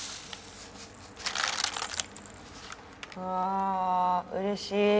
わうれしい。